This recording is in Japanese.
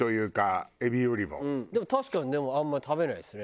でも確かにあんまり食べないですね。